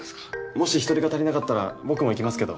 もし人手が足りなかったら僕も行きますけど。